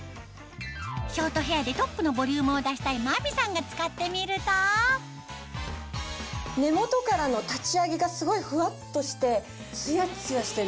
ショートヘアでトップのボリュームを出したい真美さんが使ってみると根元からの立ち上げがすごいフワっとしてツヤツヤしてる。